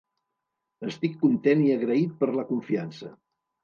Estic content i agraït per la confiança.